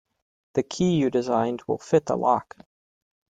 The key you designed will fit the lock.